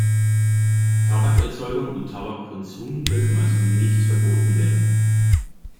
Tabakerzeugung und Tabakkonsum dürfen also nicht verboten werden.